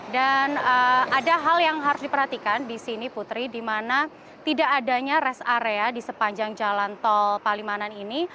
dan ada hal yang harus diperhatikan di sini putri di mana tidak adanya rest area di sepanjang jalan tol palimanan ini